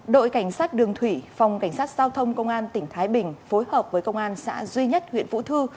đội cảnh sát đường thủy phòng cảnh sát giao thông công an tỉnh thái bình phối hợp với công an xã duy nhất huyện vũ thư